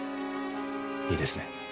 いいですね？